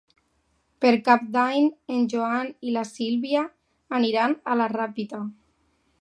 Per cap d'any en Joan i la Sílvia aniran a la Ràpita